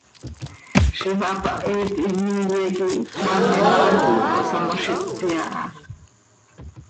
Ziix hapahit him iiye quih cmaam ihmaa quih cohsamoziti aha.